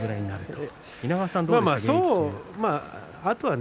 稲川さんはどうでしたか？